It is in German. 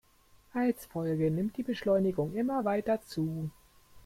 Als Folge nimmt die Beschleunigung immer weiter zu.